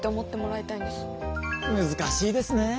難しいですねえ